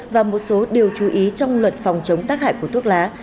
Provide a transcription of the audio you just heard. và một số điều chú ý trong luật phòng chống tác hại của thuốc lá